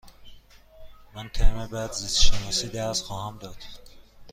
من ترم بعد زیست شناسی درس خواهم داد.